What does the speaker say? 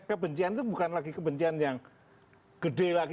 kebencian itu bukan lagi kebencian yang gede lagi